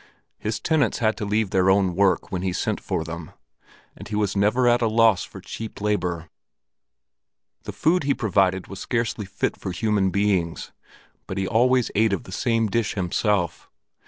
His tenants had to leave their own work when he sent for them, and he was never at a loss for cheap labor. The food he provided was scarcely fit for human beings, but he always ate of the same dish himself.